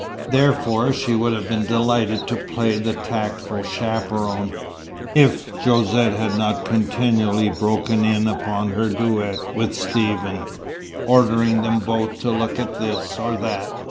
Therefore, she would have been delighted to play the tactful chaperon, if Josette had not continually broken in upon her duet with Stephen, ordering them both to look at this or that.